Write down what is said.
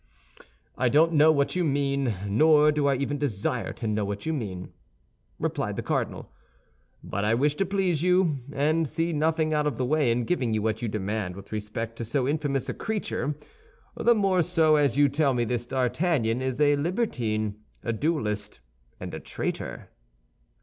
"I don't know what you mean, nor do I even desire to know what you mean," replied the cardinal; "but I wish to please you, and see nothing out of the way in giving you what you demand with respect to so infamous a creature—the more so as you tell me this D'Artagnan is a libertine, a duelist, and a traitor."